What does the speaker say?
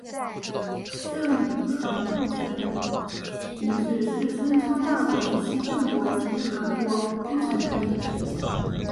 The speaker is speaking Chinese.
郑韩故城遗址是春秋战国时期郑国及韩国都城的遗址。